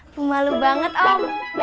pemalu banget om